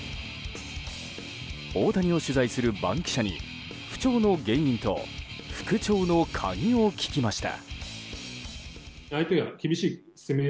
大谷を取材する番記者に不調の原因と復調の鍵を聞きました。